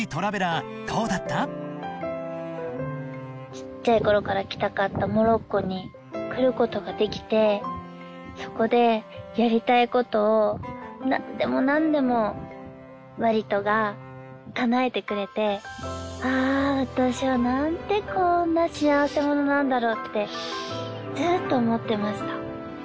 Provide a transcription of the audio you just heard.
ちっちゃいころから来たかったモロッコに来ることができてそこでやりたいことを何でも何でもワリトがかなえてくれてあ私は何てこんな幸せ者なんだろうってずっと思ってました。